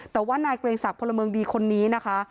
แต่ว่านายเกรงศักดิ์พลเมืองดีคนนี้นะคะ